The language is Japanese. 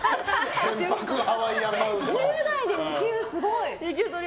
１０代で２級はすごい！